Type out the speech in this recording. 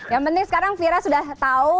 yang penting sekarang fira sudah tahu